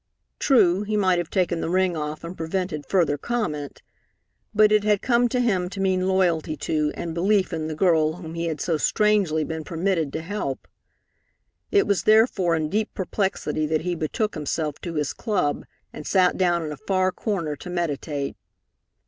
True, he might have taken the ring off and prevented further comment, but it had come to him to mean loyalty to and belief in the girl whom he had so strangely been permitted to help. It was therefore in deep perplexity that he betook himself to his club and sat down in a far corner to meditate.